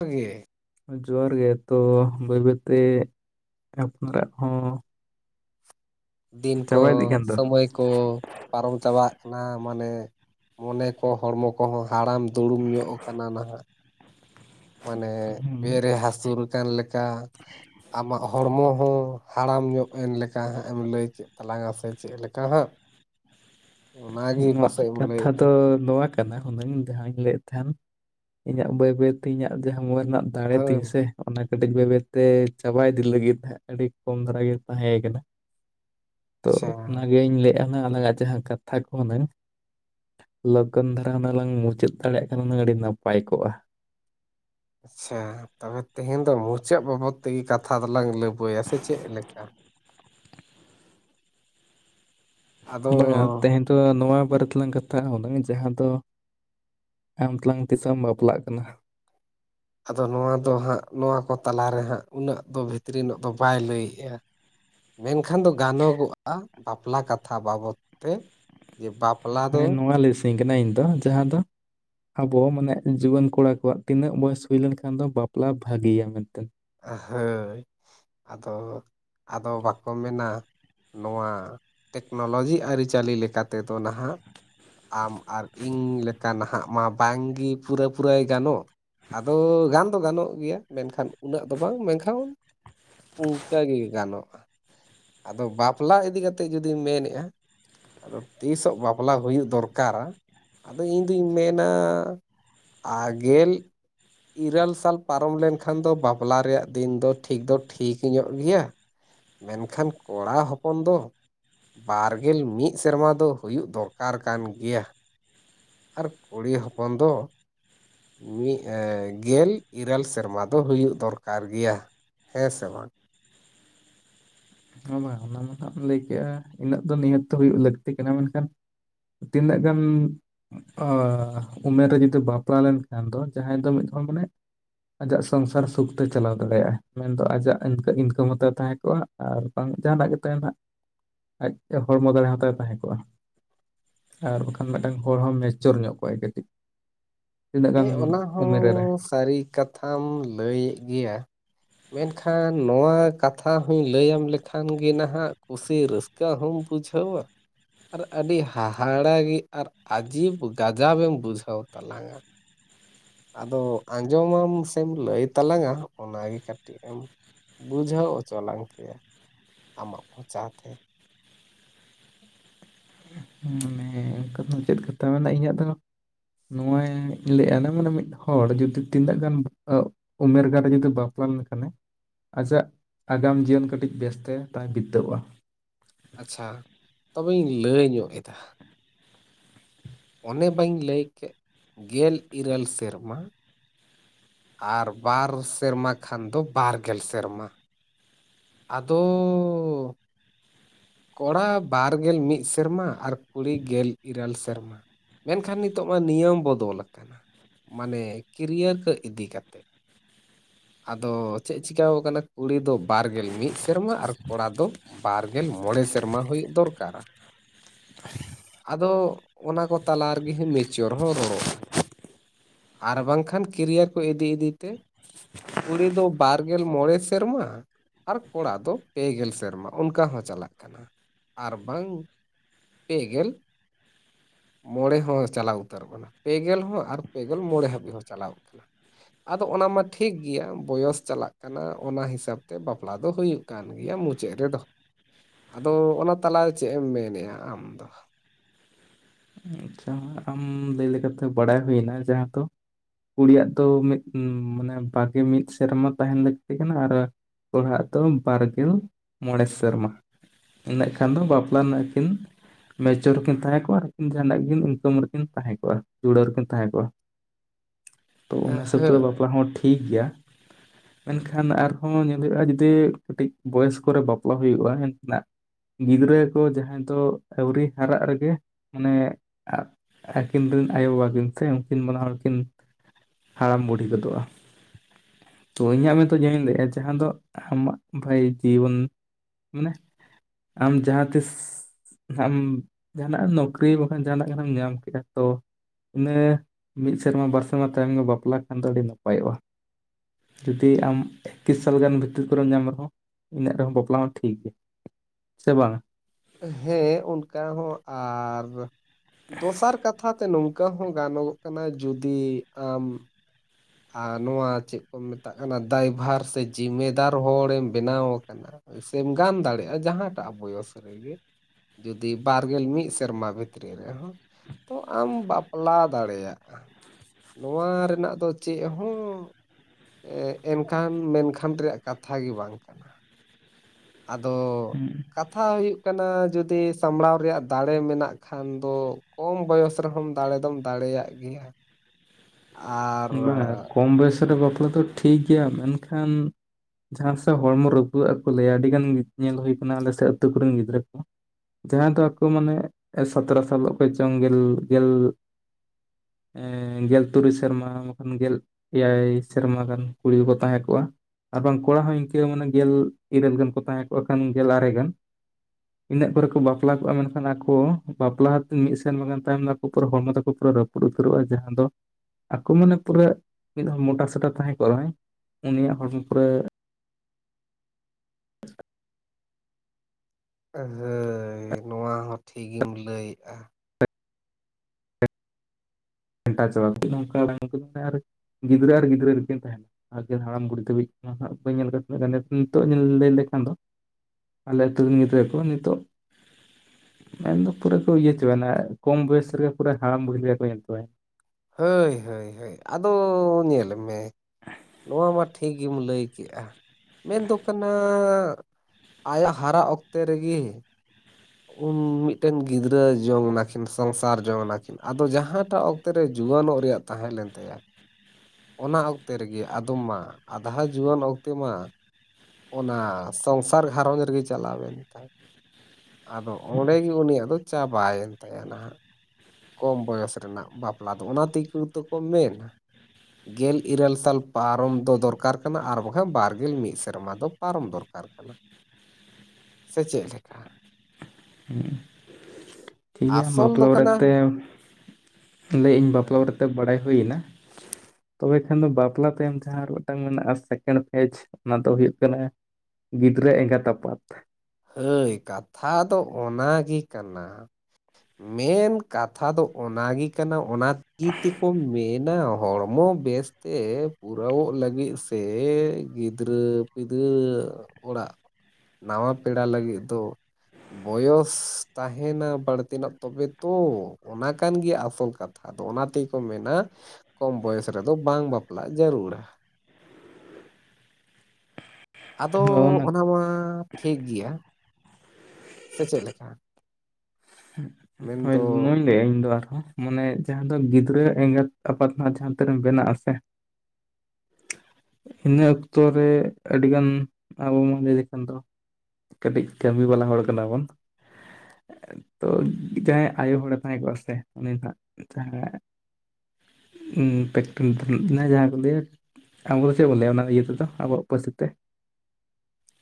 [unintelligible] ᱜᱮ ᱡᱚᱦᱟᱨ ᱜᱮ ᱛᱚ ᱵᱟᱹᱭ ᱵᱟᱹᱭᱛᱮ ᱟᱯᱱᱟᱨᱟᱜ ᱦᱚᱸ [inaudible] ᱫᱤᱱ ᱠᱚ ᱪᱟᱵᱟ ᱤᱫᱤᱜ ᱠᱟᱱ ᱫᱚ ᱥᱚᱢᱚᱭ ᱠᱚ ᱯᱟᱨᱚᱢ ᱪᱟᱵᱟᱜ ᱠᱟᱱᱟ ᱢᱟᱱᱮ ᱢᱚᱱᱮ ᱠᱚ ᱦᱚᱲᱢᱚ ᱠᱚᱦᱚᱸ ᱦᱟᱲᱟᱢ ᱫᱩᱲᱩᱢ ᱧᱚᱜ ᱟᱠᱟᱱᱟ ᱱᱟᱦᱟᱜ ᱢᱟᱱᱮ ᱦᱮᱸ ᱵᱮᱨ ᱮ ᱦᱟᱹᱥᱩᱨᱠᱟᱱ ᱞᱮᱠᱟ ᱟᱢᱟᱜ ᱦᱚᱲᱢᱚ ᱦᱚᱸ ᱦᱟᱲᱟᱢ ᱧᱚᱜ ᱮᱱ ᱞᱮᱠᱟ ᱦᱟᱸᱜ ᱮᱢ ᱞᱟᱹᱭ ᱠᱮᱫ ᱛᱟᱞᱟᱝᱟ ᱥᱮ ᱪᱮᱫ ᱞᱮᱠᱟ ᱦᱟᱸᱜ ᱚᱱᱟᱜᱮ ᱱᱚᱣᱟ ᱯᱟᱥᱮᱡ ᱮᱢ ᱠᱟᱛᱷᱟ ᱞᱟᱹᱭᱮᱫᱼᱟ ᱫᱚ ᱱᱚᱣᱟ ᱠᱟᱱᱟ ᱠᱟᱱᱟ ᱦᱩᱱᱟᱹᱝ ᱡᱟᱦᱟᱸᱧ ᱞᱟᱹᱭᱮᱫ ᱛᱟᱦᱮᱱ ᱤᱧᱟᱹᱜ ᱵᱟᱹᱭ ᱵᱟᱹᱭᱛᱮ ᱤᱧᱟᱹᱜ ᱡᱟᱦᱟᱸ ᱢᱚᱱ ᱨᱮᱱᱟᱜ ᱫᱟᱲᱮ ᱦᱳᱭ ᱛᱤᱧ ᱥᱮ ᱚᱱᱟ ᱠᱟᱹᱴᱤᱡ ᱵᱟᱭ ᱵᱟᱭ ᱛᱮ ᱪᱟᱵᱟ ᱤᱫᱤ ᱞᱟᱹᱜᱤᱫ ᱦᱟᱜ ᱟᱹᱰᱤ ᱠᱚᱢ ᱫᱷᱟᱨᱟ ᱜᱮ ᱛᱟᱦᱮᱸ ᱟᱠᱟᱱᱟ᱾ ᱛᱚ ᱟᱪᱪᱷᱟ ᱚᱱᱟᱜᱤᱧ ᱞᱟᱹᱭᱮᱫᱼᱟ ᱦᱩᱱᱟᱹᱝ ᱟᱞᱟᱝᱟᱜ ᱡᱟᱦᱟᱸ ᱠᱟᱛᱷᱟ ᱠᱚ ᱦᱩᱱᱟᱹᱝ ᱞᱚᱜᱚᱱ ᱫᱷᱟᱨᱟᱱᱟᱝ ᱞᱟᱝ ᱢᱩᱪᱟᱹᱫ ᱫᱟᱲᱮᱭᱟᱜ ᱟᱱᱟᱝ ᱟᱹᱰᱤ ᱱᱟᱯᱟᱭ ᱠᱚᱜᱼᱟ᱾ ᱟᱪᱪᱷᱟ ᱛᱚᱵᱮ ᱛᱮᱦᱮᱧ ᱫᱚ ᱢᱩᱪᱟᱹᱫ ᱵᱟᱵᱚᱛ ᱛᱮᱜᱮ ᱠᱟᱛᱷᱟ ᱫᱚᱞᱟᱝ ᱞᱟᱹᱝ ᱦᱳᱭᱟᱥᱮ ᱪᱮᱫ ᱞᱮᱠᱟ ᱟᱫᱚ ᱵᱟᱝᱟ ᱛᱮᱦᱮᱧ ᱫᱚ ᱱᱚᱣᱟ ᱵᱟᱨᱮ ᱛᱮᱞᱟᱝ ᱠᱟᱛᱷᱟ ᱚᱱᱟ ᱡᱟᱦᱟᱸ ᱫᱚ ᱟᱢ ᱛᱟᱞᱟᱝ ᱛᱤᱥᱮ ᱮᱢ ᱵᱟᱯᱞᱟᱜ ᱠᱟᱱᱟ? ᱟᱫᱚ ᱱᱚᱣᱟ ᱫᱚ ᱦᱟᱸᱜ ᱱᱚᱣᱟ ᱠᱚ ᱛᱟᱞᱟᱨᱮ ᱦᱟᱸᱜ ᱩᱱᱟᱹᱜ ᱫᱚ ᱵᱷᱤᱛᱨᱤ ᱧᱚᱜ ᱫᱚ ᱵᱟᱭ ᱞᱟᱹᱭᱮᱜᱼᱟ᱾ ᱢᱮᱱᱠᱷᱟᱱ ᱫᱚ ᱜᱟᱱᱚᱜᱚᱜᱼᱟ ᱵᱟᱯᱞᱟ ᱠᱟᱛᱷᱟ ᱵᱟᱵᱚᱫ ᱛᱮ ᱡᱮ ᱵᱟᱯᱞᱟ ᱫᱚ ᱦᱮᱸ ᱱᱚᱣᱟᱞᱟᱹᱭ ᱥᱟᱱᱟᱧ ᱠᱟᱱᱟ ᱤᱧ ᱫᱚ ᱡᱟᱦᱟᱸ ᱫᱚ ᱟᱵᱚ ᱢᱟᱱᱮ ᱡᱩᱣᱟᱹᱱ ᱠᱚᱲᱟ ᱠᱚᱣᱟᱜ ᱛᱤᱱᱟᱹᱜ ᱵᱚᱭᱮᱥ ᱦᱩᱭ ᱞᱮᱱᱠᱷᱟᱱ ᱫᱚ ᱵᱟᱯᱞᱟ ᱵᱷᱟᱜᱮᱭᱟ ᱢᱮᱱᱛᱮ? ᱦᱟ. ᱭ ᱟᱫᱚ ᱟᱫᱚ ᱵᱟᱠᱚ ᱢᱮᱱᱟ ᱱᱚᱣᱟ ᱴᱮᱠᱱᱳᱞᱚᱡᱤ ᱟᱹᱨᱤᱪᱟᱹᱞᱤ ᱞᱮᱠᱟ ᱛᱮᱫᱚ ᱱᱟᱦᱟᱜ ᱟᱢ ᱟᱨ ᱤᱧ ᱞᱮᱠᱟ ᱱᱟᱦᱟᱜ ᱢᱟ ᱵᱟᱝᱜᱮ ᱯᱩᱨᱟᱹ ᱯᱩᱨᱟᱹᱭ ᱜᱟᱱᱚᱜ ᱟᱫᱚ ᱜᱟᱱ ᱫᱚ ᱜᱟᱱᱚᱜ ᱜᱮᱭᱟ ᱢᱮᱱᱠᱷᱟᱱ ᱩᱱᱟᱹᱜ ᱫᱚ ᱵᱟᱝ ᱢᱮᱱᱠᱷᱟᱱ ᱚᱱᱠᱟᱜᱮ ᱜᱟᱱᱚᱜᱼᱟ ᱟᱫᱚ ᱵᱟᱯᱞᱟ ᱤᱫᱤ ᱠᱟᱛᱮᱫ ᱡᱩᱫᱤᱢ ᱢᱮᱱᱮᱜᱼᱟ ᱟᱫᱚ ᱛᱤᱥᱚᱜ ᱵᱟᱯᱞᱟ ᱦᱩᱭᱩᱜ ᱫᱚᱨᱠᱟᱨᱟ ᱟᱫᱚ ᱤᱧᱫᱩᱧ ᱢᱮᱱᱟ ᱟᱨ ᱜᱮᱞ ᱤᱨᱟᱹᱞ ᱥᱟᱞ ᱯᱟᱨᱚᱢ ᱞᱮᱱᱠᱷᱟᱱ ᱫᱚ ᱵᱟᱯ ᱞᱟ ᱨᱮᱭᱟᱜ ᱫᱤᱱ ᱫᱚ ᱴᱷᱤᱠ ᱫᱚ ᱴᱷᱤᱠ ᱧᱚᱜ ᱜᱮᱭᱟ ᱢᱮᱱᱠᱷᱟᱱ ᱠᱚᱲᱟ ᱦᱚᱯᱚᱱ ᱫᱚ ᱵᱟᱨᱜᱮᱞ ᱢᱤᱫ ᱥᱮᱨᱢᱟ ᱫᱚ ᱦᱩᱭᱩᱜ ᱫᱚᱨᱠᱟᱨ ᱠᱟᱱ ᱜᱮᱭᱟ ᱟᱨ ᱠᱩᱲᱤ ᱦᱚᱯᱚᱱ ᱫᱚ ᱢᱤᱫ ᱮᱸ ᱜᱮᱞ ᱤᱨᱟᱹᱞ ᱥᱮᱨᱢᱟ ᱫᱚ ᱦᱩᱭᱩᱜ ᱫᱚᱨᱠᱟᱨ ᱜᱮᱭᱟ ᱦᱮᱸ ᱥᱮ ᱵᱟᱝ ᱦᱮ ᱵᱟᱝ ᱚᱱᱟ ᱢᱟ ᱦᱟᱜ ᱮᱢ ᱞᱟᱹᱭ ᱠᱮᱫᱮᱜᱼᱟ ᱤᱱᱟᱹᱜ ᱫᱚ ᱱᱤᱦᱟᱹᱛ ᱦᱩᱭᱩᱜ ᱞᱟᱹᱠᱛᱤ ᱠᱟᱱᱟ ᱢᱮᱱᱠᱷᱟᱱ ᱛᱤᱱᱟᱹᱜ ᱜᱟᱱ ᱩᱢᱮᱨ ᱨᱮ ᱡᱩᱫᱤ ᱵᱟᱯᱞᱟ ᱞᱮᱱᱠᱷᱟᱱ ᱫᱚ ᱡᱟᱦᱟᱸᱭ ᱫᱚ ᱢᱤᱫ ᱦᱚᱲ ᱢᱟᱱᱮ ᱟᱡᱟᱜ ᱥᱚᱝᱥᱟᱨ ᱥᱩᱠᱛᱮ ᱪᱟᱞᱟᱣ ᱫᱟᱲᱮᱭᱟᱜ ᱟᱭ ᱢᱮᱱᱫᱚ ᱟᱡᱟᱜ ᱤᱱᱠᱟᱢ ᱦᱚᱸᱛᱚ ᱛᱟᱦᱮᱸ ᱠᱚᱜᱼᱟ ᱟᱨ ᱵᱟᱝ ᱡᱟᱦᱟᱱᱟᱜ ᱜᱮ ᱱᱟᱦᱟᱜ ᱟᱡ ᱦᱚᱲᱢᱚ ᱫᱟᱲᱮ ᱦᱚᱸᱛᱟᱭ ᱛᱟᱦᱮᱸ ᱠᱚᱜᱼᱟ ᱟᱨ ᱵᱟᱠᱷᱟᱱ ᱢᱤᱫᱴᱟᱝ ᱦᱚᱲ ᱦᱚᱸ ᱢᱮᱪᱳᱨ ᱧᱚᱜ ᱠᱚᱜᱼᱟᱭ ᱠᱟᱹᱴᱤᱡ ᱛᱤᱱᱟᱹᱜ ᱜᱟᱱ ᱦᱮᱸ ᱚᱱᱟ ᱩᱢᱮᱨ ᱦᱚᱸ ᱨᱮ ᱥᱟᱹᱨᱤ ᱠᱟᱛᱷᱟᱢ ᱞᱟᱹᱭᱮᱫ ᱜᱮᱭᱟ ᱢᱮᱱᱠᱷᱟᱱ ᱱᱚᱣᱟ ᱠᱟᱛᱷᱟ ᱦᱚᱧ ᱞᱟᱹᱭᱟᱢ ᱞᱮᱠᱷᱟᱱ ᱜᱮ ᱱᱟᱦᱟᱜ ᱠᱩᱥᱤ ᱨᱟᱹᱥᱠᱟᱹ [unintelligible] ᱦᱚᱢ ᱵᱩᱡᱷᱟᱹᱣᱟ ᱟᱨ ᱟᱹᱰᱤ ᱦᱟᱦᱟᱲᱟᱜ ᱜᱮ ᱟᱨ ᱟᱹᱡᱤᱵᱽ ᱜᱟᱡᱟᱵ ᱮᱢ ᱵᱩᱡᱷᱟᱹᱣ ᱛᱟᱞᱟᱝᱟ ᱟᱫᱚ ᱟᱸᱡᱚᱢᱟᱢ ᱥᱮᱢ ᱞᱟᱹᱭ ᱛᱟᱞᱟᱝᱟ ᱚᱱᱟᱜᱮ ᱠᱟᱹᱴᱤᱡ ᱮᱢ ᱵᱩᱡᱷᱟᱹᱣ ᱦᱚᱪᱚᱞᱟᱝ ᱠᱮᱭᱟ ᱟᱢᱟᱜ ᱢᱚᱪᱟ ᱛᱮ ᱢᱟᱱᱮ ᱚᱱᱠᱟ ᱫᱚ ᱪᱮᱫ ᱠᱟᱛᱷᱟ ᱢᱮᱱᱟᱜᱼᱟ ᱤᱧᱟᱹᱜ ᱫᱚ ᱱᱚᱣᱟᱧ ᱞᱟᱹᱭᱮᱜᱼᱟᱱᱟ ᱢᱟᱱᱮ ᱢᱤᱫ ᱦᱚᱲ ᱡᱩᱫᱤ ᱛᱤᱱᱟᱹᱜ ᱜᱟᱱ [unintelligible] ᱩᱢᱮᱨ ᱜᱟᱱ ᱨᱮ ᱡᱩᱫᱤ ᱵᱟᱯᱞᱟ ᱞᱮᱱᱠᱷᱟᱱᱮ ᱟᱡᱟᱜ ᱟᱜᱟᱢ ᱡᱤᱭᱚᱱ ᱠᱟᱹᱴᱤᱡ ᱵᱮᱥᱛᱮ ᱛᱟᱦᱮᱸ ᱵᱤᱛᱟᱹᱜᱼᱟ ᱟᱪᱪᱷᱟ ᱛᱚᱵᱮᱧ ᱞᱟᱹᱭ ᱧᱚᱜ ᱮᱫᱟ ᱚᱱᱮ ᱵᱟᱹᱧ ᱞᱟᱹᱭ ᱠᱮᱫ ᱜᱮᱞ ᱤᱨᱟᱹᱞ ᱥᱮᱨᱢᱟ ᱟᱨ ᱵᱟᱨ ᱥᱮᱨᱢᱟ ᱠᱷᱟᱱ ᱫᱚ ᱵᱟᱨ ᱜᱮᱞ ᱥᱮᱨᱢᱟ ᱟᱫᱚ ᱠᱚᱲᱟ ᱵᱟᱨᱜᱮᱞ ᱢᱤᱫ ᱥᱮᱨᱢᱟ ᱟᱨ ᱠᱩᱲᱤ ᱜᱮᱞ ᱤᱨᱟᱹᱞ ᱥᱮᱨᱢᱟ ᱢᱮᱱᱠᱷᱟᱱ ᱱᱤᱛᱚᱜ ᱢᱟ ᱱᱤᱭᱚᱢ ᱵᱚᱫᱚᱞ ᱟᱠᱟᱱᱟ ᱢᱟᱱᱮ ᱠᱮᱨᱤᱭᱟᱨ ᱠᱚ ᱤᱫᱤ ᱠᱟᱛᱮᱫ ᱟᱫᱚ ᱪᱮᱫ ᱪᱤᱠᱟ ᱟᱠᱟᱱᱟ ᱠᱩᱲᱤ ᱫᱚ ᱵᱟᱨᱜᱮᱞ ᱢᱤᱫ ᱥᱮᱨᱢᱟ ᱟᱨ ᱠᱚᱲᱟ ᱫᱚ ᱵᱟᱨᱜᱮᱞ ᱢᱚᱬᱮ ᱥᱮᱨᱢᱟ ᱦᱩᱭᱩᱜ ᱫᱚᱨᱠᱟᱨᱟ ᱟᱫᱚ ᱚᱱᱟ ᱠᱚ ᱛᱟᱞᱟ ᱨᱮᱜᱮ ᱢᱮᱤᱪᱚᱨ ᱦᱚᱸ ᱨᱚᱲᱚᱜᱼᱟ ᱟᱨ ᱵᱟᱝᱠᱷᱟᱱ ᱠᱮᱨᱤᱭᱟᱨ ᱠᱚ ᱤᱫᱤ ᱤᱫᱤ ᱛᱮ ᱠᱩᱲᱤ ᱫᱚ ᱵᱟᱨ ᱜᱮᱞ ᱢᱚᱬᱮ ᱥᱮᱨᱢᱟ ᱟᱨ ᱠᱚᱲᱟ ᱫᱚ ᱯᱮ ᱜᱮᱞ ᱥᱮᱨᱢᱟ ᱚᱱᱠᱟ ᱦᱚᱸ ᱪᱟᱞᱟᱜ ᱠᱟᱱᱟ ᱟᱨ ᱵᱟᱝ ᱯᱮ ᱜᱮᱞ ᱢᱚᱬᱮ ᱦᱚᱸ ᱪᱟᱞᱟᱣ ᱩᱛᱟᱹᱨᱚᱜ ᱠᱟᱱᱟ ᱯᱮᱜᱮᱞ ᱦᱚᱸ ᱟᱨ ᱯᱮᱜᱮᱞ ᱢᱚᱬᱮ ᱦᱟᱹᱵᱤᱡ ᱦᱚᱸ ᱪᱟᱞᱟᱣ ᱠᱟᱱᱟ ᱟᱫᱚ ᱚᱱᱟ ᱢᱟ ᱴᱷᱤᱠ ᱜᱮᱭᱟ ᱵᱚᱭᱚᱥ ᱪᱟᱞᱟᱜ ᱠᱟᱱᱟ ᱚᱱᱟ ᱦᱤᱥᱟᱹᱵ ᱛᱮ ᱵᱟᱯᱞᱟ ᱫᱚ ᱦᱩᱭᱩᱜ ᱠᱟᱱ ᱜᱮᱭᱟ ᱢᱩᱪᱟᱹᱫ ᱨᱮᱫᱚ ᱟᱫᱚ ᱚᱱᱟ ᱛᱟᱞᱟ ᱪᱮᱫ ᱮᱢ ᱢᱮᱱᱮᱫᱼᱟ ᱟᱢ ᱫᱚ [unintelligible] ᱟᱪᱪᱷᱟ ᱟᱢ ᱞᱟᱹᱭ ᱞᱮᱠᱟᱛᱮ ᱵᱟᱰᱟᱭ ᱦᱩᱭ ᱮᱱᱟ ᱡᱟᱦᱟᱸ ᱫᱚ ᱠᱩᱲᱤᱭᱟᱜ ᱫᱚ ᱢᱤᱫ ᱢᱟᱱᱮ ᱵᱟᱜᱮ ᱢᱤᱫ ᱥᱮᱨᱢᱟ ᱛᱟᱦᱮᱱ ᱞᱟᱹᱠᱛᱤ ᱠᱟᱱᱟ ᱟᱨ ᱠᱚᱲᱟ ᱟᱜ ᱫᱚ ᱵᱟᱨᱜᱮᱞ ᱢᱚᱬᱮ ᱥᱮᱨᱢᱟ ᱤᱱᱟᱹᱜ ᱠᱷᱟᱱ ᱫᱚ ᱵᱟᱯᱞᱟ ᱨᱮᱱᱟᱜ ᱠᱤᱱ ᱢᱮᱪᱭᱚᱨ ᱠᱤᱱ ᱛᱟᱦᱮᱸ ᱠᱚᱜᱼᱟ ᱟᱨᱠᱤᱱ ᱡᱟᱦᱟᱱᱟᱜ ᱜᱮᱱ ᱤᱱᱠᱟᱢ ᱨᱮᱠᱤᱱ ᱛᱟᱦᱮᱸ ᱠᱚᱜᱼᱟ᱾ ᱡᱩᱲᱟᱹᱣ ᱨᱮᱠᱤᱱ ᱛᱟᱦᱮᱸ ᱠᱚᱜᱼᱟ ᱛᱚ ᱚᱱᱟ ᱦᱤᱥᱟᱹᱵ ᱛᱮᱫᱚ ᱦᱮᱸ ᱵᱟᱯᱞᱟ ᱦᱚᱸ ᱴᱷᱤᱠ ᱜᱮᱭᱟ ᱢᱮᱱᱠᱷᱟᱱ ᱟᱨᱦᱚᱸ ᱧᱮᱞ ᱦᱩᱭᱩᱜᱼᱟ ᱡᱩᱫᱤ ᱠᱟᱹᱴᱤᱡ ᱵᱚᱭᱮᱥ ᱠᱚᱨᱮ ᱵᱟᱯᱞᱟ ᱦᱩᱭᱩᱜᱼᱟ [unintelligible] ᱜᱤᱫᱽᱨᱟᱹ ᱠᱚ ᱡᱟᱦᱟᱸᱭ ᱫᱚ ᱟᱹᱣᱨᱤ ᱦᱟᱨᱟᱜ ᱨᱮᱜᱮ ᱢᱟᱱᱮ ᱟ.... ᱟᱠᱤᱱ ᱨᱮᱱ ᱟᱭᱳᱵᱟᱵᱟ ᱠᱤᱱ ᱥᱮ ᱩᱱᱠᱤᱱ ᱵᱟᱱᱟ ᱦᱚᱲᱠᱤᱱ ᱦᱟᱲᱟᱢ ᱵᱩᱰᱦᱤ ᱜᱚᱫᱚᱜᱼᱟ᱾ ᱛᱚ ᱤᱧᱟᱹᱜ ᱢᱮᱛᱚᱜ ᱤᱧᱤᱧ ᱞᱟᱹᱭᱮᱜᱼᱟ ᱡᱟᱦᱟᱸ ᱫᱚ ᱟᱢᱟᱜ ᱵᱷᱟᱭ ᱡᱤᱵᱚᱱ ᱢᱟᱱᱮ ᱟᱢ ᱡᱟᱦᱟᱸ ᱛᱤᱥ... ᱱᱟᱦᱟᱜ ᱟᱢ ᱡᱟᱦᱟᱱᱟᱜ ᱱᱚᱠᱨᱤ ᱵᱟᱠᱷᱟᱱ ᱡᱟᱦᱟᱱᱟᱜ ᱜᱮᱢ ᱧᱟᱢ ᱠᱮᱫᱼᱟ ᱛᱚ ᱤᱱᱟᱹ ᱢᱤᱫ ᱥᱮᱨᱢᱟ ᱵᱟᱨ ᱥᱮᱨᱢᱟ ᱛᱟᱭᱚᱢ ᱜᱮ ᱵᱟᱯᱞᱟ ᱠᱷᱟᱱ ᱫᱚ ᱟᱹᱰᱤ ᱱᱟᱯᱟᱭᱚᱜᱼᱟ ᱡᱩᱫᱤ ᱟᱢ ᱮᱠᱤᱥ ᱥᱟᱞ ᱜᱟᱱ ᱵᱷᱤᱛᱤᱨ ᱠᱚᱨᱮᱢ ᱧᱟᱢ ᱨᱮᱦᱚᱸ ᱤᱱᱟᱹᱜ ᱨᱮᱦᱚᱸ ᱵᱟᱯᱞᱟ ᱢᱟ ᱴᱷᱤᱠ ᱜᱮᱭᱟ ᱥᱮ ᱵᱟᱝ ᱟ ᱦᱮᱸ ᱚᱱᱠᱟ ᱦᱚᱸ ᱟᱨ ᱫᱚᱥᱟᱨ ᱠᱟᱛᱷᱟ ᱛᱮ ᱱᱚᱝ..... ᱠᱟᱹᱦᱩᱸ ᱜᱟᱱᱚᱜᱚᱜ ᱠᱟᱱᱟ ᱡᱩᱫᱤ ᱟᱢ ᱟᱨ ᱱᱚᱣᱟ ᱪᱮᱫ ᱠᱚ ᱢᱮᱛᱟᱜ ᱠᱟᱱᱟ ᱫᱟᱭᱵᱷᱟᱨ ᱥᱮ ᱡᱤᱢᱮᱫᱟᱨ ᱦᱚᱲᱮᱢ ᱵᱮᱱᱟᱣ ᱟᱠᱟᱱᱟ ᱥᱮᱢ ᱜᱟᱱ ᱫᱟᱲᱮᱭᱟᱜᱼᱟ ᱡᱟᱦᱟᱸᱴᱟᱜ ᱵᱚᱭᱚᱥ ᱨᱮᱜᱮ ᱡᱩᱫᱤ ᱵᱟᱨᱜᱮᱞ ᱢᱤᱫ ᱥᱮᱨᱢᱟ ᱵᱷᱤᱛᱨᱤ ᱨᱮᱦᱚᱸ ᱛᱚ ᱟᱢ ᱵᱟᱯᱞᱟ ᱫᱟᱲᱮᱭᱟᱜᱼᱟ ᱱᱚᱣᱟ ᱨᱮᱱᱟᱜ ᱫᱚ ᱪᱮᱫ ᱦᱚᱸ ᱮᱸ.. ᱮᱱᱠᱷᱟᱱ ᱢᱮᱱᱠᱷᱟᱱ ᱨᱮᱭᱟᱜ ᱠᱟᱛᱷᱟ ᱜᱮ ᱵᱟᱝ ᱠᱟᱱᱟ ᱟᱫᱚ ᱠᱟ..... ᱠᱟᱛᱷᱟ ᱦᱩᱭᱩᱜ ᱠᱟᱱᱟ ᱡᱩᱫᱤ ᱥᱟᱢᱵᱽᱲᱟᱣ ᱨᱮᱭᱟᱜ ᱫᱟᱲᱮ ᱢᱮᱱᱟᱜ ᱠᱷᱟᱱ ᱫᱚ ᱠᱚᱢ ᱵᱚᱭᱚᱥ ᱨᱮᱦᱚᱢ ᱫᱟᱲᱮ ᱫᱚᱢ ᱫᱟᱲᱮᱭᱟᱜ ᱜᱮᱭᱟ ᱟᱨ ᱵᱟᱝ ᱠᱚᱢ ᱵᱚᱭᱮᱥ ᱨᱮ ᱵᱟᱯᱞᱟ ᱫᱚ ᱴᱷᱤᱠ ᱜᱮᱭᱟ ᱢᱮᱱᱠᱷᱟᱱ ᱡᱟᱦᱟᱸ ᱥᱮ ᱦᱚᱲᱢᱚ ᱨᱟᱹᱯᱩᱜ ᱠᱚ ᱞᱟᱹᱭᱟ ᱟᱹᱰᱤ ᱜᱟᱱ ᱜᱤ ᱧᱮᱞ ᱦᱩᱭ ᱟᱠᱟᱱᱟ ᱟᱞᱮ ᱥᱮ ᱟᱹᱛᱩ ᱠᱚᱨᱮᱱ ᱜᱤᱫᱽᱨᱟᱹ ᱠᱚ ᱡᱟᱦᱟᱸ ᱫᱚ ᱟᱠᱚ ᱢᱟᱱᱮ ᱥᱚᱛᱨᱚ ᱥᱟᱞ ᱚᱠᱚᱭ ᱪᱚᱝ ᱜᱮᱞ ᱜᱮᱞ ᱮᱸ... ᱜᱮᱞ ᱛᱩᱨᱩᱭ ᱥ.... ᱥᱮᱨᱢᱟ ᱵᱟᱠᱷᱟᱱ ᱜᱮᱞ ᱮᱭᱟᱭ ᱥᱮᱨᱢᱟ ᱜᱟᱱ ᱠᱩᱲᱤ ᱠᱚᱠᱚ ᱛᱟᱦᱮᱸ ᱠᱚᱜᱼᱟ ᱟᱨ ᱵᱟᱝ ᱠᱚᱲᱟ ᱦᱚᱸ ᱤᱱᱠᱟᱹ ᱢᱟᱱᱮ ᱜᱮᱞ ᱤᱨᱟᱹᱞ ᱜᱟᱱ ᱠᱚ ᱛᱟᱦᱮᱸ ᱠᱚᱜᱼᱟ ᱠᱷᱟᱱ ᱜᱮᱞ ᱟᱨᱮ ᱜᱟᱱ ᱾ ᱤᱱᱟᱹᱜ ᱠᱚᱨᱮ ᱠᱚ ᱵᱟᱯᱞᱟ ᱠᱚᱜᱼᱟ ᱢᱮᱱᱠᱷᱟᱱ ᱟᱠᱚ ᱵᱟᱯᱞᱟ ᱢᱤᱫ ᱥᱮᱨᱢᱟ ᱜᱟᱱ ᱛᱟᱭᱚᱢ ᱠᱚ ᱯᱩᱨᱟᱹ ᱦᱚᱲᱢᱚ ᱛᱟᱠᱚ ᱯᱩᱨᱟᱹ ᱨᱟᱹᱯᱩᱫ ᱯ.. ᱩᱛᱟᱹᱨᱚᱜᱼᱟ ᱡᱟᱦᱟᱸ ᱫᱚ ᱟᱠᱚ ᱢᱟᱱᱮ ᱯᱩᱨᱟᱹ ᱢᱤᱫ ᱦᱚᱲ ᱢᱚᱴᱟ ᱥᱚᱴᱟ ᱛᱟᱦᱮᱸ ᱠᱚᱜ ᱦᱚᱸ ᱩᱱᱤᱭᱟᱜ ᱦᱚᱲᱢᱚ ᱯᱩᱨᱟᱹ ᱟ. ᱦᱟ. ᱭ ᱱᱚᱣᱟ ᱦᱚᱸ ᱴᱷᱤᱠ ᱮᱢ ᱞᱟᱹᱭᱮᱫᱼᱟ ᱾ ᱜᱷᱮᱱᱴᱟ ᱪᱟᱵᱟ ᱠᱚ ᱱᱚᱝᱠᱟᱫᱚ ᱢᱟᱱᱮ ᱟᱨ ᱜᱤᱫᱽᱨᱟᱹ ᱟᱨ ᱜᱤᱫᱽᱨᱟᱹ ᱨᱮᱠᱤᱱ ᱛᱟᱦᱮᱱᱟ [unintelligible] ᱟᱨ ᱦᱟᱲᱟᱢ ᱵᱩᱲᱦᱤ ᱫᱷᱟᱹᱵᱤᱡᱜ ᱵᱟᱹᱧ ᱧᱮᱞ ᱠᱟᱫᱟ ᱛᱤᱱᱟᱹ ᱱᱤᱛᱚᱜ ᱞᱟᱹᱭ ᱞᱮᱠᱷᱟᱱ ᱫᱚ ᱟᱞᱮ ᱟᱹᱛᱩ ᱨᱮᱱ ᱜᱤᱫᱽᱨᱟ. ᱠᱳ ᱱᱤᱛᱚᱜ [unintelligible] ᱢᱮᱱ ᱫᱚ ᱯᱩᱨᱟᱹ ᱠᱚ ᱤᱭᱟᱹ ᱪᱟᱵᱟ ᱮᱱᱟ ᱠᱚᱢ ᱵᱚᱭᱮᱥ ᱨᱮᱦᱚ ᱯᱩᱨᱟ. ᱦᱟᱲᱟᱢ ᱵᱩᱲᱦᱤ ᱞᱮᱠᱟ ᱠᱚ ᱧᱮᱞ ᱠᱚᱜ-ᱟ ᱦᱟ. ᱭ ᱦᱟ. ᱭ ᱦᱟ. ᱭ ᱟᱫᱚ ᱧᱮᱞ ᱢᱮ ᱱᱚᱣᱟ ᱢᱟ ᱴᱷᱤᱠ ᱜᱮᱢ ᱞᱟᱹᱭ ᱠᱮᱜ-ᱟ ᱢᱮᱱᱫᱚ ᱠᱟᱱᱟᱻ ᱟᱭᱟᱜ ᱦᱟᱨᱟᱜ ᱚᱠᱛᱮ ᱨᱮᱜᱮ ᱩᱱ ᱢᱤᱫᱴᱮᱱ ᱜᱤᱫᱽᱨᱟᱹ ᱡᱚᱝ ᱱᱟᱠᱤᱱ ᱥᱚᱝᱥᱟᱨ ᱡᱚᱝ ᱟᱱᱟᱠᱤᱱ ᱟᱫᱚ ᱡᱟᱦᱟᱸᱴᱟᱜ ᱚᱠᱛᱮ ᱨᱮ ᱡᱩᱣᱟᱹᱱᱚᱜ ᱨᱮᱭᱟᱜ ᱛᱟᱦᱮᱸ ᱞᱮᱱ ᱛᱟᱭᱟ ᱾ ᱚᱱᱟ ᱚᱠᱛᱮ ᱨᱮᱜᱮ ᱟᱫᱚ ᱢᱟ ᱟᱫᱷᱟ ᱡᱩᱣᱟᱹᱱ ᱚᱠᱛᱮ ᱢᱟ ᱚᱱᱟ ᱥᱚᱝᱥᱟᱨ ᱜᱷᱟᱨᱚᱸᱡᱽ ᱨᱮᱜᱮ ᱪᱟᱞᱟᱣ ᱮᱱ ᱛᱟᱭ ᱟᱫᱚ ᱚᱸᱰᱮ ᱜᱮ ᱩᱱᱤᱭᱟᱜ ᱫᱚ ᱪᱟᱵᱟᱭᱮᱱ ᱛᱟᱭᱟ ᱦᱟᱸᱜ ᱾ ᱠᱚᱢ ᱵᱚᱭᱚᱥ ᱨᱮᱱᱟᱜ ᱵᱟᱯᱞᱟ ᱫᱚ ᱚᱱᱟ ᱛᱮᱜᱮ ᱛᱚ ᱠᱚ ᱢᱮᱱᱟ ᱾ ᱜᱮᱞ ᱤᱨᱟᱹᱞ ᱥᱟᱞ ᱯᱟᱨᱚᱢ ᱫᱚ ᱫᱚᱨᱠᱟᱨ ᱠᱟᱱᱟ ᱟᱨ ᱵᱟᱝᱠᱷᱟᱱ ᱵᱟᱨᱜᱮᱞ ᱢᱤᱫ ᱥᱮᱨᱢᱟ ᱫᱚ ᱯᱟᱨᱚᱢ ᱫᱚᱨᱠᱟᱨ ᱠᱟᱱᱟ ᱾ [unintelligible] ᱥᱮ ᱪᱮᱫ ᱞᱮᱠᱟ? [unintelligible] ᱦᱮᱸ ᱴᱷᱤᱠ ᱜᱮᱭᱟ ᱟᱥᱚᱞ ᱵᱟᱯᱞᱟ ᱫᱚ ᱠᱟᱱᱟ ᱵᱟᱨᱮᱛᱮ ᱞᱟᱹᱭ ᱤᱧ ᱵᱟᱯᱞᱟ ᱵᱟᱨᱮᱛᱮ ᱵᱟᱲᱟᱭ ᱦᱩᱭ ᱮᱱᱟ ᱛᱚᱵᱮ ᱠᱷᱟᱱ ᱫᱚ ᱵᱟᱯᱞᱟ ᱛᱟᱭᱚᱢ ᱡᱟᱦᱟᱸ ᱢᱤᱫᱴᱟᱝ ᱢᱮᱱᱟᱜᱼᱟ ᱥᱮᱠᱮᱱᱰ ᱯᱷᱮᱡ ᱚᱱᱟ ᱫᱚ ᱦᱩᱭᱩᱜ ᱠᱟᱱᱟ ᱾ ᱜᱤᱫᱽᱨᱟᱹ ᱮᱸᱜᱟᱛ ᱟᱯᱟᱛ ᱦᱳᱭ ᱠᱟᱛᱷᱟ ᱫᱚ ᱚᱱᱟᱜᱮ ᱠᱟᱱᱟ ᱾ ᱢᱮᱱ ᱠᱟᱛᱷᱟ ᱫᱚ ᱚᱱᱟᱜᱮ ᱚᱱᱟ ᱛᱤ ᱛᱮᱠᱚ ᱢᱮᱱᱟ ᱦᱚᱲᱢᱚ ᱵᱮᱥ ᱛᱮ ᱯᱩᱨᱟᱣᱚᱜ ᱞᱟᱹᱜᱤᱫ ᱥᱮ ᱜᱤᱫᱽᱨᱟᱹ ᱯᱤᱫᱽᱟᱹᱨ ᱚᱲᱟᱜ ᱱᱟᱣᱟ ᱯᱮᱲᱟ ᱞᱟᱹᱜᱤᱫ ᱫᱚ ᱵᱚᱭᱚᱥ ᱛᱟᱦᱮᱱᱟ ᱵᱟᱹᱲᱛᱤᱱᱟᱜ ᱛᱚᱵᱮ ᱛᱚ ᱚᱱᱟ ᱠᱟᱱ ᱜᱮᱭᱟ ᱟᱥᱚᱞ ᱠᱟᱛᱷᱟ ᱟᱫᱚ ᱚᱱᱟ ᱛᱮᱜᱮ ᱠᱚ ᱢᱮᱱᱟ ᱠᱚᱢ ᱵᱚᱭᱚᱥ ᱨᱮᱫᱚ ᱵᱟᱝ ᱵᱟᱯᱞᱟᱜ ᱡᱟᱹᱨᱩᱲᱟ ᱾ ᱟᱫᱚ ᱱᱚᱜᱼᱚ ᱱᱟ ᱚᱱᱟ ᱢᱟ ᱴᱷᱤᱠ ᱜᱮᱭᱟ ᱾ ᱥᱮ ᱪᱮᱫ ᱞᱮᱠᱟ? ᱦᱳᱭ ᱢᱮᱱᱫᱚ ᱱᱚᱣᱟᱧ ᱞᱟᱹᱭᱮᱜᱼᱟ ᱤᱧ ᱫᱚ ᱟᱨᱦᱚᱸ [inaudible] ᱢᱟᱱᱮ ᱡᱟᱦᱟᱸ ᱫᱚ ᱜᱤᱫᱽᱨᱟᱹ ᱮᱸᱜᱟᱛ ᱟᱯᱟᱛ ᱡᱟᱦᱟᱸ ᱛᱤᱨᱮᱢ ᱵᱮᱱᱟᱜ ᱟᱥᱮ ᱤᱱᱟᱹ ᱚᱠᱛᱚ ᱨᱮ ᱟᱹᱰᱤᱜᱟᱱ ᱟᱵᱚ ᱢᱟ ᱞᱟᱹᱭ ᱞᱮᱠᱷᱟᱱ ᱫᱚ ᱠᱟᱹᱴᱤᱡ ᱠᱟᱹᱢᱤ ᱵᱟᱞᱟ ᱦᱚᱲ ᱠᱟᱱᱟ ᱵᱚᱱ ᱾ [inaudible] ᱛᱚ ᱡᱟᱦᱟᱸᱭ ᱟᱭᱳ ᱦᱚᱲᱮ ᱛᱟᱦᱮᱸ ᱠᱚ ᱥᱮ ᱩᱱᱤ ᱡᱟᱦᱟᱸ ᱯᱮᱠᱴᱮᱱ ᱯᱷᱩᱞ ᱡᱟᱦᱟᱸ ᱠᱚᱸ ᱞᱟᱹᱭᱟ [unintelligible] ᱟᱵᱚ ᱫᱚ ᱪᱮᱫ ᱵᱚᱱ ᱞᱟᱹᱭᱟ ᱚᱱᱟ ᱤᱭᱟᱹ ᱛᱮᱫᱚ ᱟᱵᱚᱣᱟᱜ ᱯᱚᱨᱥᱤ ᱛᱮ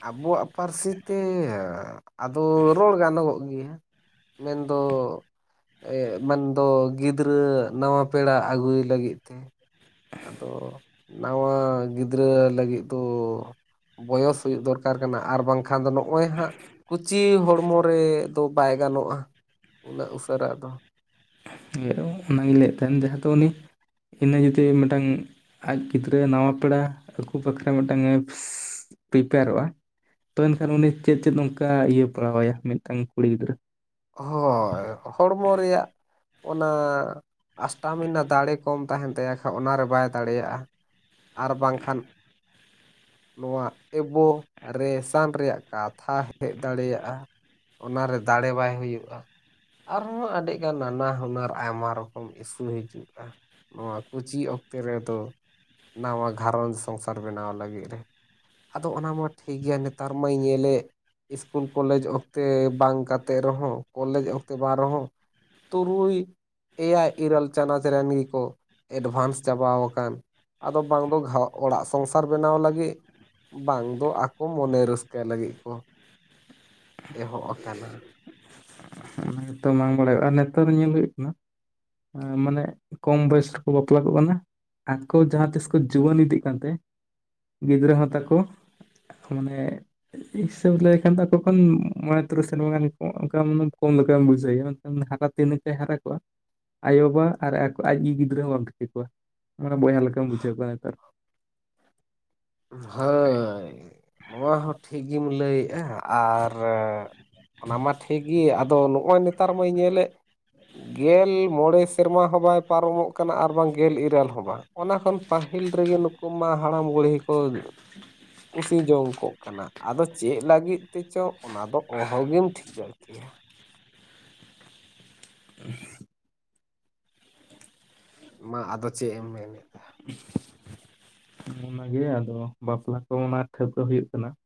ᱟᱵᱚᱣᱟᱜ ᱯᱟᱹᱨᱥᱤ ᱛᱮ ᱟᱫᱚ ᱨᱚᱲ ᱜᱟᱱᱚᱜᱵᱚᱜ ᱜᱮᱭᱟ ᱾ ᱢᱮᱱᱫᱚ ᱢᱮᱱᱟᱱ ᱫᱚ ᱜᱤᱫᱽᱨᱟᱹ ᱱᱟᱣᱟ ᱯᱮᱲᱟ ᱟᱹᱜᱩᱭ ᱞᱟᱹᱜᱤᱫ ᱛᱮ ᱾ ᱟᱫᱚ ᱱᱟᱣᱟ ᱜᱤᱫᱽᱨᱟᱹ ᱞᱟᱹᱜᱤᱫ ᱫᱚ ᱵᱚᱭᱚᱥ ᱦᱩᱭᱩᱜ ᱫᱚᱨᱠᱟᱨ ᱠᱟᱱᱟ ᱟᱨ ᱵᱟᱝᱠᱷᱟᱱ ᱫᱚ ᱱᱚᱜᱼᱚᱭ ᱦᱟᱸᱜᱼᱼ ᱠᱩᱪᱤ ᱦᱚᱲᱢᱚ ᱨᱮ ᱫᱚ ᱵᱟᱭ ᱜᱟᱱᱚᱜᱼᱟ ᱩᱱᱟᱹᱜ ᱩᱥᱟᱹᱨᱟ ᱫᱚ ᱾ [unintelligible] ᱚᱱᱟᱜᱮᱧ ᱞᱟᱹᱭᱮᱫ ᱛᱟᱦᱮᱱ ᱡᱟᱦᱟᱸ ᱫᱚ ᱩᱱᱤᱼᱼ ᱤᱱᱟᱹ ᱡᱩᱫᱤ ᱢᱤᱫᱴᱟᱝ ᱟᱡ ᱜᱤᱫᱽᱨᱟᱹ ᱱᱟᱣᱟ ᱯᱮᱲᱟ ᱟᱜᱩ ᱵᱟᱠᱷᱨᱟ ᱢᱤᱫᱴᱟᱝᱮ [unintelligible] ᱯᱨᱤᱯᱮᱭᱟᱨᱚᱜᱼᱟ ᱛᱚ ᱮᱱᱠᱷᱟᱱ ᱩᱱᱤ ᱪᱮᱫ ᱪᱮᱫ ᱚᱱᱠᱟ ᱤᱭᱟᱹ ᱯᱟᱲᱟᱣ ᱟᱭᱟ ᱢᱤᱫᱴᱟᱝ ᱠᱩᱲᱤ ᱜᱤᱫᱽᱨᱟᱹ? ᱦᱳᱭ ᱦᱚᱲᱢᱚ ᱨᱮᱭᱟᱜ ᱚᱱᱟᱼᱼ ᱟᱥᱴᱟᱢᱤᱱᱟ ᱫᱟᱲᱮ ᱠᱚᱢ ᱛᱟᱦᱮᱱ ᱛᱟᱭᱟ ᱠᱷᱟᱡ ᱚᱱᱟᱨᱮ ᱵᱟᱭ ᱫᱟᱲᱮᱭᱟᱜᱼᱟ ᱾ ᱟᱨ ᱵᱟᱝᱠᱷᱟᱱᱼᱼ ᱱᱚᱣᱟ ᱮᱵᱚ ᱨᱮᱥᱟᱱ ᱨᱮᱭᱟᱜ ᱠᱟᱛᱷᱟ ᱦᱮᱡ ᱫᱟᱲᱮᱭᱟᱜᱼᱟ ᱾ ᱚᱱᱟᱨᱮ ᱫᱟᱲᱮ ᱵᱟᱭᱼᱼ ᱦᱩᱭᱩᱜᱼᱟ ᱟᱨᱦᱚᱸ ᱟᱹᱰᱤᱜᱟᱱ ᱱᱟᱱᱟ ᱦᱩᱱᱟᱹᱨ ᱟᱭᱢᱟ ᱨᱚᱠᱚᱢ ᱤᱥᱩ ᱦᱤᱡᱩᱜᱼᱟ ᱾ ᱱᱚᱣᱟ ᱠᱩᱪᱤ ᱚᱠᱛᱮ ᱨᱮᱫᱚ ᱱᱟᱣᱟ ᱜᱷᱟᱨᱚᱸᱡᱽ ᱥᱚᱝᱥᱟᱨ ᱵᱮᱱᱟᱣ ᱞᱟᱹᱜᱤᱫ ᱨᱮ ᱾ ᱟᱫᱚ ᱚᱱᱟ ᱢᱟ ᱴᱷᱤᱠ ᱜᱮᱭᱟ ᱱᱮᱛᱟᱨ ᱢᱟᱧ ᱧᱮᱞᱮᱫ ᱤᱥᱠᱩᱞ ᱠᱚᱞᱮᱡᱽ ᱚᱠᱛᱮ ᱵᱟᱝ ᱠᱟᱛᱮᱜ ᱨᱮᱦᱚᱸ ᱠᱚᱞᱮᱡᱽ ᱚᱠᱛᱮ ᱵᱟᱝ ᱨᱮᱦᱚᱸ ᱛᱩᱨᱩᱭ ᱮᱭᱟᱭ ᱤᱨᱟᱹᱞ ᱪᱟᱱᱟᱪ ᱨᱮᱱ ᱜᱮᱠᱚ ᱮᱰᱵᱷᱟᱱᱥ ᱪᱟᱵᱟᱣ ᱟᱠᱟᱱ ᱾ ᱟᱫᱚ ᱵᱟᱝ ᱫᱚ [unintelligible] ᱚᱲᱟᱜ ᱥᱚᱝᱥᱟᱨ ᱵᱮᱱᱟᱣ ᱞᱟᱹᱜᱤᱫᱼᱼ ᱵᱟᱝ ᱫᱚ ᱟᱠᱚ ᱢᱚᱱᱮ ᱨᱟᱹᱥᱠᱟᱹ ᱞᱟᱹᱜᱤᱫ ᱠᱚ ᱮᱦᱚᱵ ᱟᱠᱟᱱᱟᱼᱼ ᱡᱚᱛᱚ ᱵᱟᱝ ᱵᱟᱲᱟᱭᱚᱜᱼᱟ ᱟᱨ ᱱᱮᱛᱟᱨ ᱫᱚ ᱧᱮᱞ ᱦᱩᱭᱩᱜ ᱠᱟᱱᱟᱼᱼ ᱢᱟᱱᱮ ᱠᱚᱢ ᱵᱚᱭᱮᱥ ᱨᱮᱠᱚ ᱵᱟᱯᱞᱟ ᱠᱚᱜ ᱠᱟᱱᱟ ᱾ ᱟᱠᱚ ᱡᱟᱦᱟᱸ ᱛᱤᱥ ᱠᱚ ᱡᱩᱣᱟᱹᱱ ᱤᱫᱤᱜ ᱠᱟᱱᱛᱮ ᱜᱤᱫᱽᱨᱟᱹ ᱦᱚᱸ ᱛᱟᱠᱚᱼᱼ [unintelligible] ᱚᱱᱮᱼᱼ ᱦᱤᱥᱟᱹᱵ ᱞᱟᱹᱭᱠᱷᱟᱱ ᱫᱚ ᱠᱷᱚᱱ ᱢᱚᱬᱮ ᱛᱩᱨᱩᱭ ᱥᱮᱨᱢᱟ ᱜᱟᱱ ᱚᱱᱠᱟ ᱠᱚᱢᱼᱼ ᱵᱩᱡᱟᱭ [unintelligible] ᱦᱟᱨᱟ ᱛᱤᱱ ᱨᱮᱪᱚᱭ ᱦᱟᱨᱟ ᱠᱚᱜᱼᱟᱼᱼ ᱟᱭᱳᱼᱵᱟᱵᱟ ᱟᱨ [unintelligible] ᱟᱡ ᱜᱮ ᱜᱤᱫᱽᱨᱟᱹ ᱦᱚᱸ ᱵᱟᱢ ᱴᱷᱤᱠᱟᱹ ᱠᱚᱣᱟ ᱢᱟᱱᱮ ᱵᱚᱭᱦᱟ ᱞᱮᱠᱟᱢ ᱵᱩᱡᱷᱟᱹᱣ ᱠᱚᱣᱟ ᱱᱮᱛᱟᱨ ᱾ ᱦᱳᱭ ᱱᱚᱣᱟ ᱦᱚᱸ ᱴᱷᱤᱠ ᱜᱮᱢ ᱞᱟᱹᱭᱮᱜᱼᱟ ᱟᱨᱼᱼ ᱚᱱᱟ ᱢᱟ ᱴᱷᱤᱠ ᱜᱤ ᱟᱫᱚ ᱱᱚᱜᱼᱚᱭ ᱱᱮᱛᱟᱨ ᱢᱟᱹᱧ ᱧᱮᱞᱮᱫᱼᱼ ᱜᱮᱞ ᱢᱚᱬᱮ ᱥᱮᱨᱢᱟ ᱦᱚᱸ ᱵᱟᱭ ᱯᱟᱨᱚᱢᱚᱜ ᱠᱟᱱᱟ ᱟᱨ ᱵᱟᱝ ᱜᱮᱞ ᱤᱨᱟᱹᱞ ᱦᱚᱸ ᱵᱟᱝ ᱾ ᱚᱱᱟ ᱠᱷᱚᱱ ᱯᱟᱹᱦᱤᱞ ᱨᱮᱜᱮ ᱱᱩᱠᱩ ᱢᱟ ᱦᱟᱲᱟᱢ ᱵᱩᱲᱦᱤ ᱼᱼ ᱠᱚ ᱠᱩᱥᱤ ᱡᱚᱝ ᱠᱚᱜ ᱠᱟᱱᱟ ᱟᱫᱚ ᱪᱮᱫ ᱞᱟᱹᱜᱤᱫ? ᱛᱮ ᱪᱚᱝ ᱚᱱᱟ ᱫᱚ ᱚᱦᱚ ᱜᱮᱢ ᱴᱷᱤᱠᱟᱹ ᱠᱮᱭᱟ ᱾ ᱢᱟ ᱟᱫᱚ ᱪᱮᱫ ᱮᱢ ᱢᱮᱱᱮᱫ ᱾ ᱚᱱᱟᱜᱮ ᱟᱫᱚ ᱵᱟᱯᱞᱟ ᱠᱚ ᱚᱱᱟ ᱴᱷᱟᱹᱣᱠᱟᱹ ᱦᱩᱭᱩᱜ ᱠᱟᱱᱟ ᱾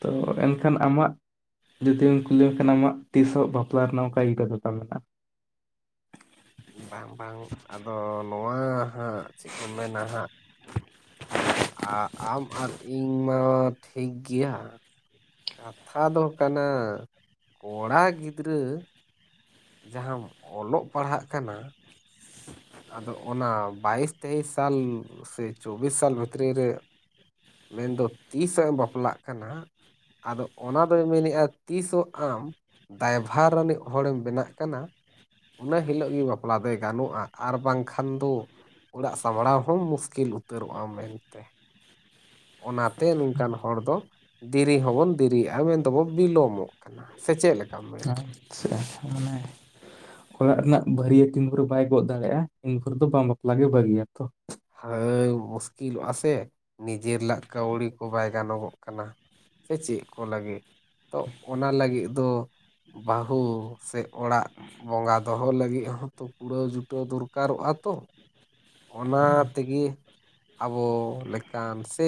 ᱛᱚ ᱮᱱᱠᱷᱟᱱ ᱟᱢᱟᱜᱼᱼ ᱡᱩᱫᱤᱢ ᱠᱩᱞᱤ ᱢᱮᱠᱷᱟᱱ ᱟᱢᱟᱜ ᱛᱤᱥᱚᱜ ᱵᱟᱯᱞᱟ ᱨᱮᱱᱟᱜ ᱤᱨᱟᱫᱟ ᱛᱟᱢ ᱢᱮᱱᱟᱜᱼᱟ? ᱵᱟᱝ ᱵᱟᱝ ᱟᱫᱚ ᱱᱚᱣᱟ ᱦᱟᱸᱜ ᱪᱮᱫ ᱠᱚ ᱢᱮᱱᱟ ᱦᱟᱸᱜᱼᱼ [unintelligible] ᱟᱢ ᱟᱨ ᱤᱧ ᱢᱟ ᱴᱷᱤᱠ ᱜᱮᱭᱟ ᱾ ᱠᱟᱛᱷᱟ ᱫᱚ ᱠᱟᱱᱟ ᱠᱚᱲᱟ ᱜᱤᱫᱽᱨᱟᱹᱼᱼ ᱡᱟᱦᱟᱸᱢ ᱚᱞᱚᱜ ᱯᱟᱲᱦᱟᱜ ᱠᱟᱱᱟ ᱟᱫᱚ ᱚᱱᱟ ᱵᱟᱭᱤᱥ ᱛᱮᱭᱤᱥ ᱥᱟᱞ ᱥᱮ ᱪᱚᱵᱵᱤᱥ ᱥᱟᱞ ᱵᱷᱤᱛᱨᱤ ᱨᱮ ᱢᱮᱱᱫᱚ ᱛᱤᱥᱮᱢ ᱵᱟᱯᱞᱟᱜ ᱠᱟᱱᱟ ᱟᱫᱚ ᱚᱱᱟ ᱫᱚᱭ ᱢᱮᱱᱮᱫᱼᱟ ᱛᱤᱥᱚᱜ ᱟᱢ ᱫᱟᱭᱵᱷᱟᱨ ᱨᱤᱱᱤᱡ ᱦᱚᱲᱮᱢ ᱵᱮᱱᱟᱜ ᱠᱟᱱᱟ ᱚᱱᱟ ᱦᱤᱞᱳᱜ ᱜᱮ ᱵᱟᱯᱞᱟ ᱫᱚᱭ ᱜᱟᱱᱚᱜᱼᱟ ᱾ ᱟᱨ ᱵᱟᱝᱠᱷᱟᱱ ᱫᱚ ᱚᱲᱟᱜ ᱥᱟᱢᱲᱟᱣ ᱦᱚᱸ ᱢᱩᱥᱠᱤᱞ ᱩᱛᱟᱹᱨᱚᱜᱼᱟ ᱢᱮᱱᱛᱮ ᱾ ᱚᱱᱟᱛᱮ ᱱᱚᱝᱠᱟᱱ ᱦᱚᱲ ᱫᱚ ᱫᱮᱨᱤ ᱦᱚᱸᱵᱚᱱ ᱫᱮᱨᱤᱜᱼᱟ ᱢᱮᱱ ᱫᱚᱵᱚ ᱵᱤᱞᱚᱢᱚᱜ ᱠᱟᱱᱟ ᱾ ᱥᱮ ᱪᱮᱫ ᱞᱮᱠᱟᱢ ᱢᱮᱱᱮᱫᱼᱟ? ᱟᱪᱪᱷᱟ ᱢᱟᱱᱮ ᱚᱲᱟᱜ ᱨᱮᱱᱟᱜ ᱵᱷᱟᱹᱨᱭᱟᱹᱛᱤᱱ ᱵᱷᱳᱨ ᱵᱟᱭ ᱜᱚᱜ ᱫᱟᱲᱮᱭᱟᱜᱼᱟ ᱤᱱ ᱵᱷᱳᱨ ᱫᱚ ᱵᱟᱝ ᱵᱟᱯᱞᱟᱜ ᱜᱮ ᱵᱷᱟᱹᱜᱤᱭᱟ ᱛᱚ ᱾ ᱦᱟᱹᱭ ᱢᱩᱥᱠᱤᱞᱚᱜᱼᱟ ᱥᱮ ᱱᱤᱡᱮᱨᱟᱜ ᱠᱟᱹᱣᱰᱤ ᱠᱚ ᱵᱟᱭ ᱜᱟᱱᱚᱜᱚᱜ ᱠᱟᱱᱟ ᱾ ᱥᱮ ᱪᱮᱫ ᱠᱚ ᱞᱟᱹᱜᱤᱫ ᱛᱚ ᱚᱱᱟ ᱞᱟᱹᱜᱤᱫ ᱫᱚ ᱵᱟᱹᱦᱩ ᱥᱮ ᱚᱲᱟᱜ ᱵᱚᱸᱜᱟ ᱫᱚᱦᱚ ᱞᱟᱹᱜᱤᱫ ᱦᱚᱸᱛᱚ ᱠᱩᱲᱟᱹᱣ ᱡᱩᱴᱟᱹᱣ ᱫᱚᱨᱠᱟᱨᱚᱜᱼᱟ ᱛᱚ ᱾ ᱚᱱᱟ ᱛᱤᱜᱮ ᱟᱵᱚᱻ ᱞᱮᱠᱟᱱ ᱥᱮᱻ